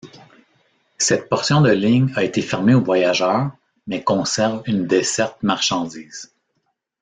Cette portion de ligne a été fermée aux voyageurs mais conserve une desserte marchandises.